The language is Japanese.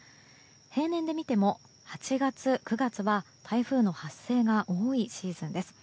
平年で見ても８月、９月は台風の発生が多いシーズンです。